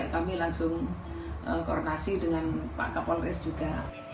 kami langsung koordinasi dengan pak kapolres juga